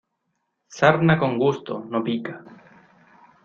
Sarna con gusto, no pica.